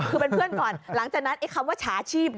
คือเป็นเพื่อนก่อนหลังจากนั้นคำว่าฉาชีพ